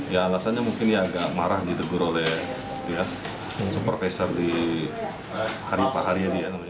ya alasannya mungkin dia agak marah di tegur oleh supervisor di hari hari